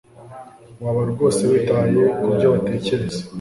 Waba rwose witaye kubyo batekereza